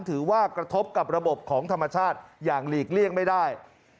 ถือว่ากระทบกับระบบของธรรมชาติอย่างหลีกเลี่ยงไม่ได้